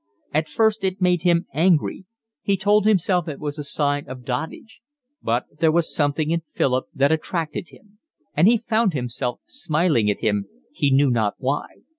At first it made him angry, he told himself it was a sign of dotage; but there was something in Philip that attracted him, and he found himself smiling at him he knew not why.